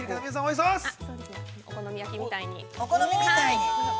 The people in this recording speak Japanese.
◆お好み焼きみたいに。